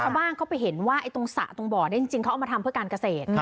ชาวบ้านเขาไปเห็นว่าตรงสระตรงบ่อนี้จริงเขาเอามาทำเพื่อการเกษตร